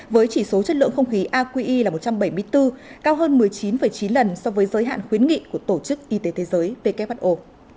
với chỉ số chất lượng không khí aqi là một trăm bảy mươi bốn cao hơn một mươi chín chín lần so với giới hạn khuyến nghị của tổ chức y tế thế giới who